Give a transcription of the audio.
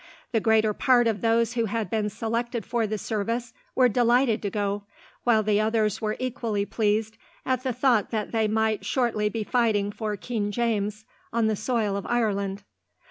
The greater part of those who had been selected for the service were delighted to go, while the others were equally pleased, at the thought that they might shortly be fighting for King James on the soil of Ireland.